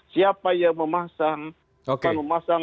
siapa yang memasang